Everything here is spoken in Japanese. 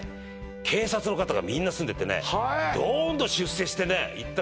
「警察の方がみんな住んでてね」はえ「どんどん出世してねいったから」